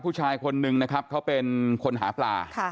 ผู้ชายคนนึงนะครับเขาเป็นคนหาปลา